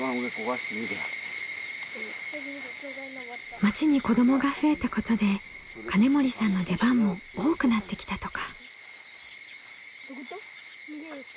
町に子どもが増えたことで金森さんの出番も多くなってきたとか。